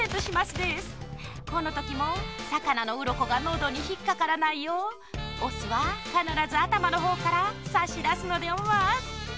このときもさかなのうろこがのどにひっかからないようオスはかならずあたまのほうからさしだすのでオマス。